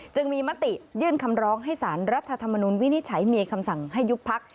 จึงมีมติยื่นคำร้องให้สารรัฐธรรมนุนวินิจฉัยมีคำสั่งให้ยุบพัก